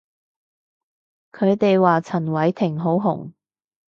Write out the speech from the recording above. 佢哋話陳偉霆好紅